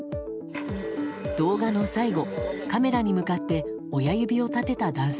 動画の最後、カメラに向かって親指を立てた男性。